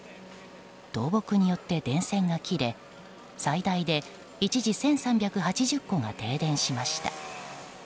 倒木によって電線が切れ最大で一時１３８０戸が停電しました。